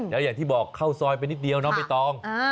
แล้วอย่างที่บอกเข้าซอยไปนิดเดียวน้องใบตอง